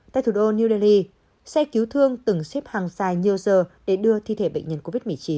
tại thủ đô new delhi xe cứu thương từng xếp hàng dài nhiều giờ để đưa thi thể bệnh nhân covid một mươi chín